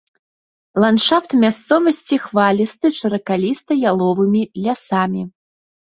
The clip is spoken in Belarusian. Ландшафт мясцовасці хвалісты з шыракаліста-яловымі лясамі.